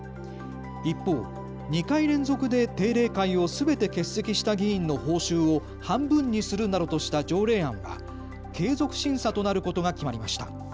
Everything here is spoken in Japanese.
一方、２回、連続で定例会をすべて欠席した議員の報酬を半分にするなどとした条例案は継続審査となることが決まりました。